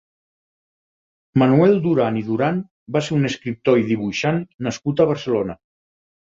Manuel Duran i Duran va ser un escriptor i dibuixant nascut a Barcelona.